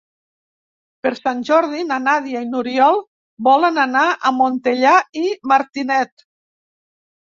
Per Sant Jordi na Nàdia i n'Oriol volen anar a Montellà i Martinet.